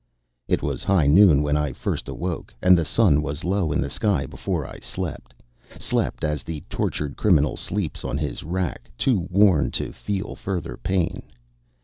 It was high noon when I first awoke: and the sun was low in the sky before I slept slept as the tortured criminal sleeps on his rack, too worn to feel further pain.